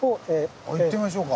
行ってみましょうか。